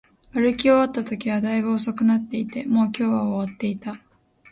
歩き終わったときは、大分遅くなっていて、もう今日は終わっていた